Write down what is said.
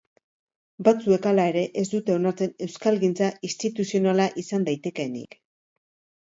Batzuek, hala ere, ez dute onartzen euskalgintza instituzionala izan daitekeenik.